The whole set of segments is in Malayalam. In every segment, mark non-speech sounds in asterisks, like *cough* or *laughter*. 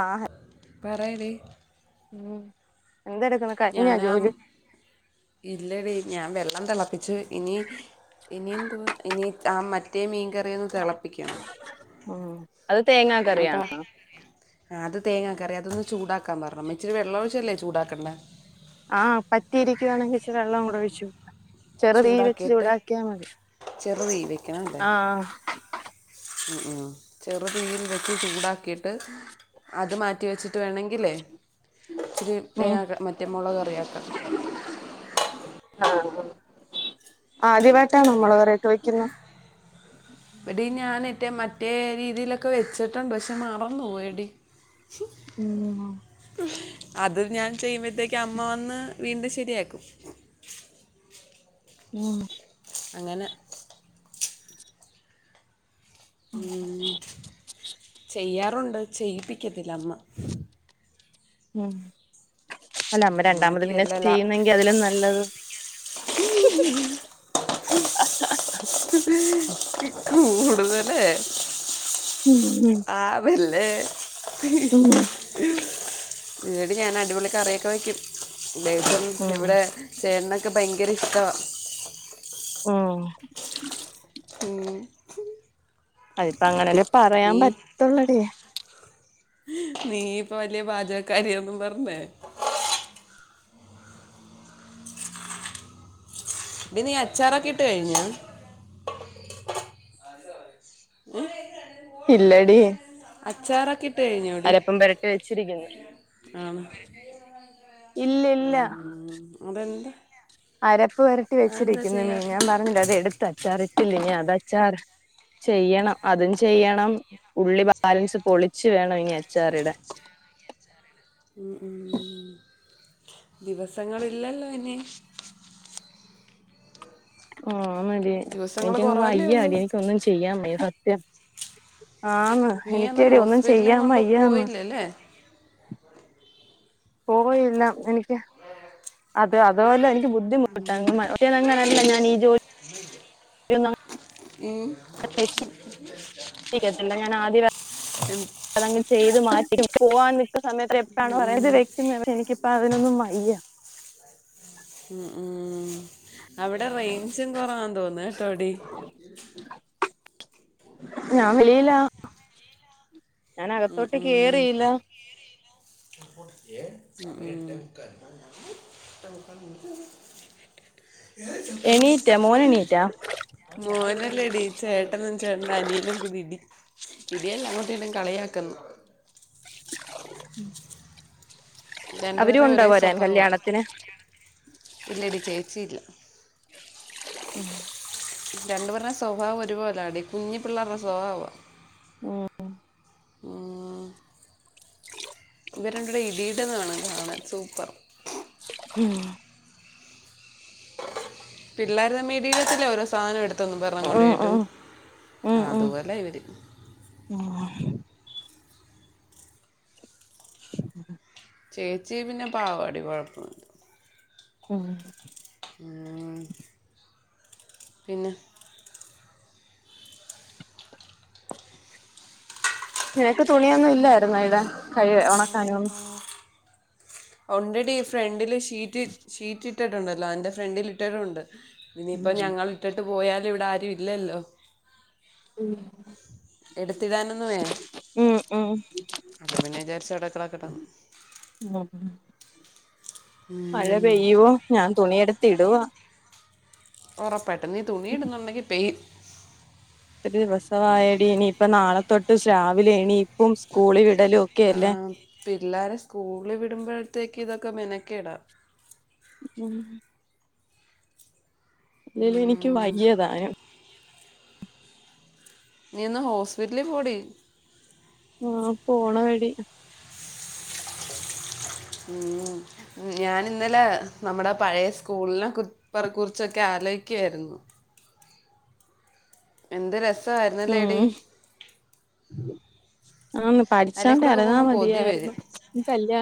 ആഹ് പറയെടി ഉം എന്തെട്ക്കണേ ഞാനാ ഇല്ലടി ഞാൻ വെള്ളം തെളപ്പിച്ച് ഇനി ഇനിയെന്തുവാ ഇനി ആ മറ്റേ മീൻകറിയൊന്ന് തെളപ്പിക്കണം. ഉം അത് തേങ്ങ *unintelligible* അത് തേങ്ങാ കറി അതൊന്ന് ചൂടാക്കാൻ പറഞ്ഞ് അമ്മ, ഇച്ചിരി വെള്ളോഴ്ച്ചല്ലേ ചൂടാക്കേണ്ടേ ആഹ് പറ്റിയിരിക്കുകയാണെങ്കിൽ ഇച്ച് വെള്ളം കൂടി ഒഴിച്ചു ചെറുതീ വെച്ച് ചൂടാക്കിയിട്ട് ചൂടാക്കിയാൽ മതി ചെറു ആഹ് ആഹ് ആഹ് ചെറുതീയിൽ വച്ച് ചൂടാക്കിയിട്ട് അത് മാറ്റി വച്ചിട്ട് വേണങ്കി ങ്കിലേ ഉം ഇച്ചിരിതേങ്ങ മറ്റേ മുളക് കറിയാക്കാം ആദ്യമായിട്ടാണോ മോള് കറി ഒക്കെ വെക്കുന്നത് എടീ ഞാനിറ്റേ മറ്റേ രീതിയിലൊക്കെ വെച്ചിട്ടുണ്ട് പക്ഷെ മറന്ന് പോയടി *inaudible* ഉം അത് ഞാൻ ചെയ്യുമ്പോഴത്തേക്കും അമ്മ വന്ന് വീണ്ടും ശരിയാക്കും ഉം അങ്ങനെ ഉ ചെയ്യാറുണ്ട് ചെയ്യിപ്പിക്കത്തില്ല അമ്മ ഉ അല്ല അമ്മ രണ്ടാമത് അമ്മയ്ക്ക് പിന്നെ ചെയ്യുന്നെങ്കി അതിലും നല്ലത് ഹ *inaudible* *unintelligible* ഉം ഉം വല്ലേ ഉം വീട് ഞാൻ അടിപൊളി കറിയൊക്കെ വയ്ക്കും ദൈപ്പം ഉം ഇവിടെ ചേട്ടനൊക്കെ ഭയങ്കര ഇഷ്ട ആ ഉം അതിപ്പ അങ്ങനെല്ലേ പറയാൻ നീ പറ്റുള്ളടയേ നീ ഇപ്പൊ വലിയ പാചകക്കാരിന്നും പറഞ്ഞേ ടി നീ അച്ചാർ ഒക്കെ ഇട്ട് കഴിഞ്ഞോ ഉം ഇല്ലടി അച്ചറ കിട്ട അലപ്പം പുരട്ടി വെച്ചിരിക്കുന്നു ആണ് ഇല്ല ഇല്ല ഉം, അതെന്താ അരപ്പ് വരട്ടി അതെന്താ വെച്ചിരിക്കുന്നു മീ ചെയ്യാത്ത ഞാൻ പറഞ്ഞില്ല അത് എടുത്ത അച്ചാർ ഇട്ടില്ലിനീ അത് അച്ചാർ ചെയ്യണം അതും ചെയ്യണം ഉള്ളി ബാലൻസ് പൊളിച്ചു വേണം ഇനി അച്ചാറിടാൻ ഉ ഉ ദിവസങ്ങളില്ലല്ലോ ഇനി ആഹ മതി ദിവസങ്ങൾ എനിക്കങ് കുറവല്ലേ വയ്യ ഉള്ളൂ മതി എനിക്ക ഒന്നും ചെയ്യാ മ സത്യം ആന്ന് എനിക്കേടി ഒന്നും ചെയ്യാ വയ്യാന്ന് തല്ലെ പോയിയില്ല എനിക്ക് ഉ അത അത പോല്ലെ എനിക്ക് ബുദ്ധിമുട്ട് അ ഒങ്ങനല്ല ഞാൻ ഈ ജോലി ഏ ല്ല ഞാൻ ആദ്യ ഉം, *unintelligible* അതങ്ങ് ചെയ്തു മാറ്റി പോവാാൻ നിക്ക സമയത്ത് എപ്പോഴാണ് പറയത് വെക്കുന്നത് പക്ഷെ എനിക്ക് അപ്പൊ അതിനൊന്നും വയ്യ ഉ ഉം അവിടെ റേയ്ഞ്ചും കൊറവാ തോന്ന ട്ടോ ടി ഞാ വെളിയിലാ ഞാൻ അകത്തോട്ടേ കേറിയില്ല കേറില്ല *unintelligible* *inaudible* *unintelligible* *inaudible* എണീറ്റാ മോന് എണീറ്റാ മോനല്ലടി ചേട്ടനും ചേട്ടന്റെ അനിയനും കൂടി ഇടി ഇടിയല്ല അങ്ങോട്ടും ഇങ്ങോട്ടും കളിയാക്കുന്നു ഉം *unintelligible* അവരും രണ്ടുപേരുടെ ഉണ്ടോ ഒരേ വരാൻ സ്വഭാവമാണ് കല്യാണത്തിന് ഇല്ലടി ചേച്ചിയില്ല *inaudible* രണ്ടുപേരുടെയും സ്വഭാവം ഒരുപോല ആടി കുഞ്ഞിപിള്ളേരുടെ സ്വഭാവമാണ് മ്മ് ഇവരുരണ്ടുപേരും ഇടീടന്ന് കാണാൻ സൂപ്പർ ഉം പിള്ളേരു തമ്മിൽ ഇടിടതില്ലേ ഓരോ സാധനം എടുത്തന്നും പറഞ്ഞ് അങ്ങോട്ടും ഉം ഇങ്ങോട്ടും ഉം ഉം ആഹ് ഉം അതുപോലെ ഇവര് ചേച്ചി പിന്നെ പാവാടി. കൊഴപ്പ... ഉം ഉം. പിന്നെ? നിനക്ക് തുണിയൊന്നും ഇല്ലായിരുന്നോ ഇടാൻ. കഴുക ഒണക്കാനും. ഒണ്ടെടീ. ഫ്രണ്ട്ല് ഷീറ്റ് ഷീറ്റ് ട്ടിട്ടുണ്ടല്ലോ അന്റെ ഫ്രണ്ടില് ഇട്ടിട്ടുണ്ട്. ഇനിയിപ്പോ ഞങ്ങള് ഇട്ടിട്ട് പോയാലും ഇവിടെ ആരും ഇല്ലല്ലോ. എടുത്തിടാനൊന്നുമേ ഉം ഉം അപ്പൊ പിന്നെ ചാരിച്ചു അവ്ടെ കെടക്കട്ടെന്ന് ഉം. മഴ പെയ്യുവോ ഞാ തുണിയെടുത്ത് ഇടുവാ ഒറപ്പായിട്ടും. നീ തുണി ഇട്ന്നുണ്ടെങ്കി പെയ്യും. ത്ര ദിവസ വായടീ. നി ഇപ്പം നാളെത്തൊട്ട് ശാവിലെ എണീപ്പും സ്കൂളി വി ആഹ്. പിള്ളാരെ സ്കൂളി വിടുമ്പോഴത്തേക്കും ഇതൊക്കെ മെനക്കേടാ ഉം ല്ലേലും എനിക്ക് ഉം. വയ്യതാനും. നീ ഒന്ന് ഹോസ്പിറ്റലി പോടി. ആഹ്. പോണമെടി ഉം ഞാന് ന്നലെ നമ്മടെ പഴേ സ്കൂൾനെ കുർ പർ കുർച്ചൊക്കെ ആലോചിക്കായിരുന്നു. എന്ത് രസ്സായിര്ന്നല്ലേടീ. ഉം ആന്ന് അതിലേ പഠിച്ചോണ്ട് കൂടെ ഒക്കെ എര്ന്നാ പോകുമ്പോൾ കൊതി മതിയായിരുന്നു. ഈ കല്ല്യാ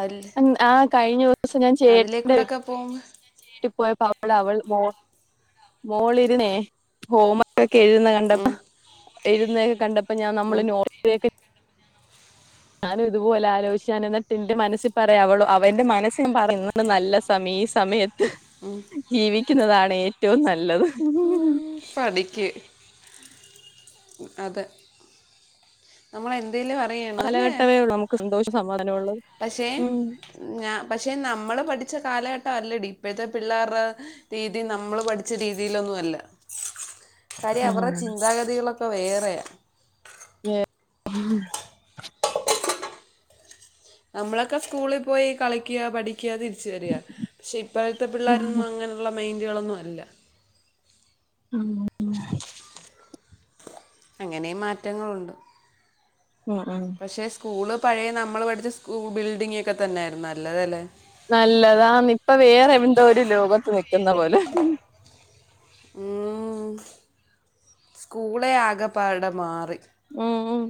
അൽസ് ആഹ്. കഴിഞ്ഞ ദോസം ഞാൻ ചേട്ടന്റെ വീ ഒക്കെ പോകുമ്പോൾ വീട്ടി പോയപ്പോ അ *unintelligible* അവൾ മോൾ മോളിര്ന്നേ ഹോംമ ക്കെ എഴുതന്ന കണ്ടപ്പ ഉം, എഴുതുന്നതൊക്കെ കണ്ടപ്പ ഞാ നമ്മള് ഉം, നോട്ട് *unintelligible* കെ ഞാനും ഇത്പോലെ ആലോചിചാന് ന്നട്ട് ന്റെ മനസ്സിപറയാ അവളൊ അവ ന്റെ മനസ്സി ഞാ പറയ് ന്ന് ന്ന് നല്ല സമീ ഈ സമയത്ത് ഉം ജീവിക്കുന്നതാണ് ഏറ്റവും നല്ലത് പഠിക്ക് അതെ. നമ്മളെ ന്തേലു അറിയ കാലഘട്ടമേ ഉള്ളൂ നമുക്ക് സന്തോഷോം സമാധാനവും ഒള്ളത്. പക്ഷെ ഞാ പക്ഷെ നമ്മള് പഠിച്ച കാലഘട്ടം അല്ലടി ഇപ്പഴത്തെ പിള്ളാ ർടെ രീതിം നമ്മള് പഠിച്ച രീതിയിലൊന്നും അല്ല. കാര്യം അവർടെ ഉം ചിന്താഗതികളൊക്കെ വേറെയാ വെ *unintelligible* നമ്മളെക്കെ സ്കൂളി പോയി കളിക്ക്യാ, പഠിക്ക്യാ, തിരിച്ച് വരിക. പക്ഷെ ഇ പ്പഴത്തെ പിള്ളേരൊന്നും അങ്ങനെള്ള മൈൻഡുകളൊന്നും അല്ല. ആഹ് *unintelligible* അങ്ങനേം മാറ്റങ്ങളുണ്ട് ആഹ് ആഹ് പക്ഷേ സ്കൂള് പഴയ നമ്മൾ പഠിച്ച സ്കൂ ബിൽഡിംങ്ങൊക്കെ തന്നെയായിരുന്നു നല്ലതെല്ലേ. നല്ലതാന്ന്. ഇപ്പ വേറെ എന്തോര് ലോകത്ത് നിക്കുന്ന പോലെ. ഉം. സ്ക്കൂളെ ആകപ്പാടെ മാറി. ഉം ഉം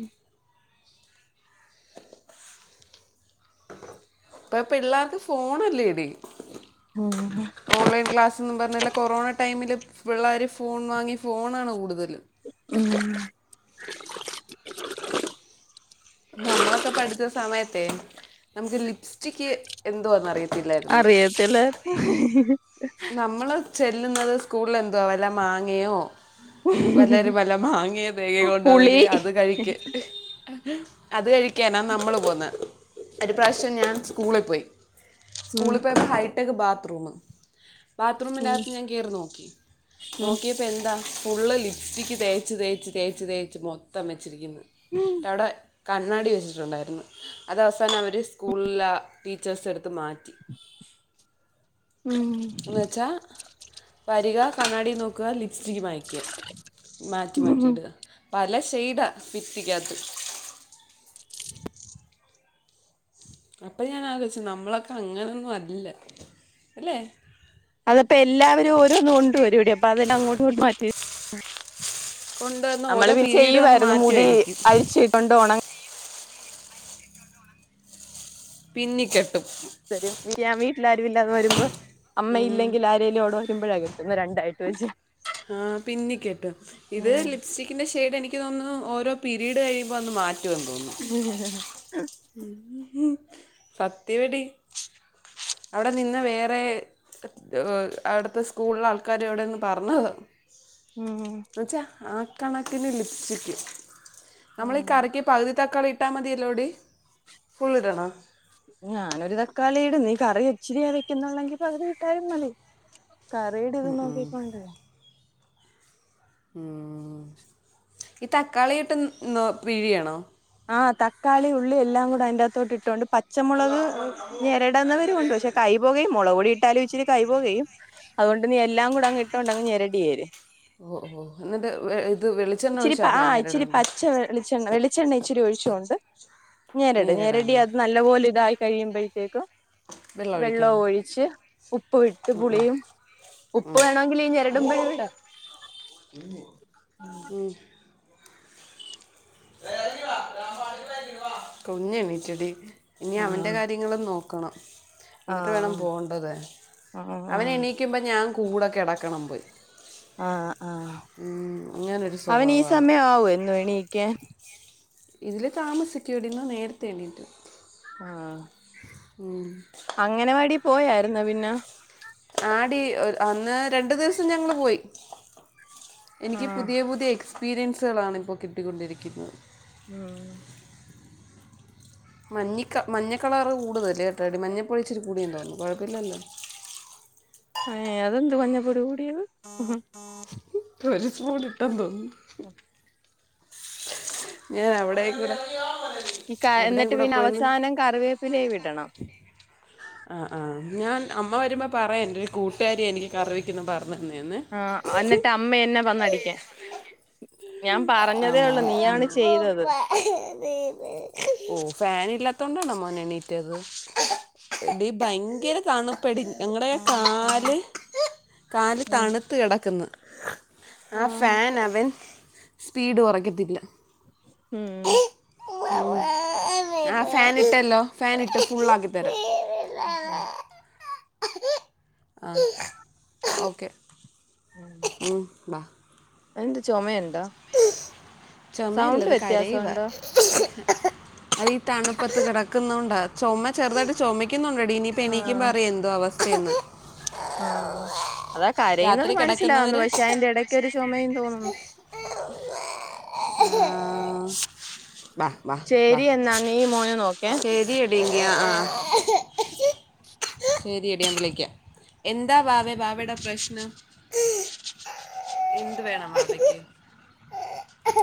പ്പ പിള്ളേർക്ക് ഫോണല്ലേടി. ഉം ഓൺലൈൻ ക്ലാസ്ന്ന് പറഞ്ഞില്ല കൊറോണ ടൈമില് പിള്ളേര് ഫോൺ വാങ്ങി ഫോണാണ് കൂടുതലും ഉം *unintelligible* നമ്മളക്കെ പഠിച്ച സമയത്തെ നമുക്ക് ലിപ്സ് ട്ടിക്ക് എന്തോന്നറിയത്തില്ലായിരുന്നു ചെലർ ഹ *unintelligible* നമ്മള് ചെല്ലുന്നത് സ്കൂളിൽ എന്തുവാ വല്ല മാങ്ങയോ വല്ലൊരു വല്ല മാങ്ങയൊ തേങ്ങയോ പുളി കൊണ്ടുവന്നെങ്കി അത് കഴിക്ക് അത് കഴിക്കാനാ നമ്മള് പോന്നെ ഒരു പ്രാശം ഞാൻ സ്കൂളിൽ പോയി ഉം സ്കൂളിൽ പോയപ്പോ ഹൈടെക്ക് ബാത്റൂമ് ബാത്റൂമിനകത്ത് ഞാൻ കേറി നോക്കി ഉം നോക്കിയപ്പ എന്താ ഫുള്ള് ലിപ്സ്റ്റിക്ക് തേച്ച് തേച്ച് തേച്ച് തേച്ച് മൊത്തം വെച്ചിരിക്കുന്നു ടവിടെ കണ്ണാടി വെച്ചിട്ടുണ്ടായിരുന്നു അത അവസാനം അവർ സ്കൂളില ടീച്ചേഴ്സ എടുത്ത് മാറ്റി ഉം എന്ന്വെച്ചാ വരിക കണ്ണാടി നോക്കുക ലിപ്സ്റ്റിക്ക് മായ്ക മാറ്റി ഉം മാറ്റിടുക പല ഷെയ്ഡാ ഫിതീക്കകത്ത് അപ്പൊ ഞാൻ ആലോചിച്ചു നമ്മളൊക്കെ അങ്ങനൊന്നും അല്ല അല്ലെ അതപ്പോ എല്ലാവരും ഓരോന്നും കൊണ്ട് വരോടി അപ്പൊ അതെല്ലാം അങ്ങോട്ടുംങ്ങട്ട മാറ്റി കൊണ്ടുവന്ന് നമ്മള് ഓരോ പി പീരീഡ് വന്ന് ചെയ്യവരുന്നു മുടി മാറ്റുമായിരിക്കും അഴിച്ചിട്ടുഒന പിന്നിക്കെട്ടും ഞാൻ വീട്ടിലരുുമില്ലാന്ന് വരുമ്പോ ഉം അമ്മയില്ലെങ്കിൽ ആരേലും അവടെ വരുമ്പഴാ കെട്ടുന്നെ രണ്ടായിട്ട വച്ച് ആ പിന്നി കെട്ടും ഇത് ഉം ലിപ്സ്റ്റിക്കിന്റെ ഷെയ്ഡ് എനിക്ക് എിക്കന്ന് ഓരോ പിരീഡ് കഴിയുമ്പോ അന്ന് മാറ്റുമെന്ന് തോന്നുന്നു ഹ് ഹ് *unintelligible* ഉം സത്യവടി അവിടെ നിന്ന വേറെ അവിടത്തെ സ്കൂളില ആൾക്കാര് അവടെന്ന് പറഞ്ഞത് ഉം ച ആ കണക്കിന് ലിപ്സ്റ്ക് നമ്മളീ ഉം കറി പകുതി തക്കാളി ഇട്ടാൽ മതിയല്ലോടി ഫുൾ ഇടണോ ഞാനൊരു തക്കാളി ഇട നീ കറി ഇച്ചിരിയാ വെക്കുന്നുള്ളെങ്കി പകുതി ഇട്ടാലും മതി കറീട് ഇത് ഉം ഉം നോക്കിക്കൊണ്ടേ ഈ തക്കാളിോട്ട് പിഴിയണോ ആഹ് തക്കാളി ഉള്ളി എല്ലാം കൂടെ അത്തിന്റെ അത്തോട്ട് ഇട്ടൊണ്ട് പച്ചമുളക് ഇടാവുന്നവരുംണ്ട് പക്ഷെ കൈ പൊ കയും മോളാകെ പൊടി ഇട്ടാലും ഇച്ചിരി കൈ പോകുകയും അതോണ്ട് നീ എല്ലാം കൂടങ്ങ് ഇട്ടോണ്ട് അങ്ങ് ന്നെരടിയേര് ഓ ഓ എന്നിട്ട് ഇത് വെളിച്ചെണ്ണ ഒഴിച്ച അല്ലേ ഞെരഡന്റെ *unintelligible* വെളിചണ്ണ വെളി ച്ചെണ്ണ ഇച്ചിരി ഒഴിച്ചോണ്ട് ഞരട്, ഞരടി ഞെരടാന്ന് അത് നല്ലപോലെ ഇതായി കഴിയുമ്പോഴത്തേക്കും വെള്ളം ഒഴിക്കണം വെള്ളവൊഴി ച്ച് ഉപ്പ് വിട്ട് ഉം, ഉം, പുളിയും ഉം. ഉപ്പ് വേണമെങ്കിൽ ഞരടുമ്പോഴേ ഇടാം *unintelligible* ഉം *unintelligible* കുഞ്ഞെണീറ്റടി ഇനി അവൻ്റെ ആഹ് കാര്യം ങ്ങളും ആഹ് നോക്കണംഇന്നിട്ട് വേണം ആഹ് പോണ്ടത് ആഹ് അവനെണീക്ക ക്കുമ്പോ ഞാൻ കൂടെ കിടക്കണം പോയി ആഹ് ആഹ് ഉം, അങ്ങനൊരു അവനീ സ്വഭാവമാണ് സമയ ആവ്യോ എന്നും എണീക്കാൻ ഇതിൽ താമസിക്കോടി ന്ന് നേരത്തെ എണീറ്റ് ആഹ് ഉം അംഗനവാടി പോയാർന്നോ പിന്നെ ആടി അന്ന് രണ്ടു ദിവസം ഞങ്ങള് പോയി എനിക്ക് ആഹ് പുതിയ പുതിയ എക്സ്പീരിയൻസുകളാണ് ഇപ്പോൾ കിട്ടിക്കൊണ്ടിരിക്കുന്നത് ഉം മഞ്ഞിക്ക മഞ്ഞകളറ് കൂടുതൽ ട്ടോടി മഞ്ഞപ്പൊഴിച്ചിരി കൂടിയെന്ന് തോന്നുന്നു കുഴപ്പില്ലല്ലോ അഹ്തെന്ത് മഞ്ഞപൊടി കൂടിയത് ഒരു സ്പൂൺ ഇട്ടെന്ന് തോന്നുന്നു ഉം ഞാൻ അവിടെക്കൂട ഈ ക എന്നിട്ട് പിന്നെ അവസാനം കറിവേപ്പിലേ വിടണം ആഹ് ആഹ് ഞാൻ അമ്മ വരുമ്പ പറയണ്ട് കൂട്ടുകാരി എനിക്ക് കറി വെക്കുന്നെ പറഞ്ഞു തന്നേന്ന് ആഹ് എന്നിട്ട് അമ്മ എന്നെ വന്നടിക്കാൻ ഞാൻ ആ പറഞ്ഞതേ ഉള്ളൂ മോൻ നീയാണ് ചെയ്തത് ഓ ഫൻ ഇല്ലാത്തോണ്ടാണോ മോൻ എണീറ്റത് ഇടീ ഭയങ്കര തണുപ്പെടി ഞങ്ങടെ കാല് കാല് ഉം തണ്ത്ത് കിടക്ക്ന്ന്. ആ ആഹ് ഫാൻ അവൻ സ്പീഡ് കുറയ്ക്കത്തില്ല ഉം ആഹ് ഫാൻ ഇട്ടല്ലോ, ഫാൻ ഇട്ട് ഫുൾ ആക്കിത്തരാം ഉ ആഹ് ഓക്കെ *inaudible* ഉം ബ ആ എന്ത് ചൊമേ ചൊമയല്ലത് കരയുവാ വ്യത്യാസമുണ്ടോ അതീ തണുപ്പത്ത് കിടക്കുന്നോണ്ടാ ചുമ ചെറുതായിട്ട് ചുമക്കുന്നുണ്ടോടീ നി പ എണിക്കുമ്പറിയ എന്തോ അവസ്ഥേന്ന് ആഹ അതാ കരയുന്നത് രാത്രി മനസ്സിലാവുന്നു കിടക്കുന്നവര് പക്ഷേ അയിൻ്റെ ടയ്ക്കൊരു ചൊമയും തോന്നുന്നു ആഹ് ശരി എന്നാ നീ മോനെ നോക്കേ ശരി രിടി ആഹ് അഹ് ശരി എടി ഞാൻ വിളക്ക എന്താ വാവേ വാവേടെ പ്രശ്നം എന്തുവേണം വാവക്ക്